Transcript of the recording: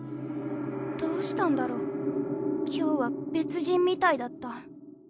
どうしたんだろう今日は別人みたいだった。